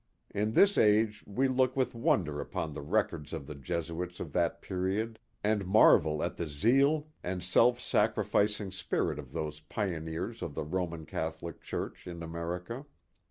In this age we look with wonder upon the records of the Jesuits of that period and marvel at the zeal and self sacrific ing spirit of those pioneers of the Roman Catholic Church in America.